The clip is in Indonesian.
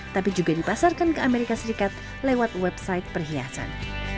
tapi juga dipasarkan ke amerika serikat lewat website perhiasan